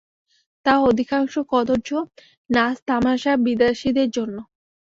তাও অধিকাংশ কদর্য নাচ-তামাসা বিদেশীর জন্য।